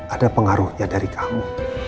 ada pengaruhnya dari kamu